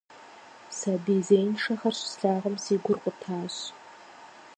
Сабий зеиншэхэр щыслъагъум, си гур къутащ.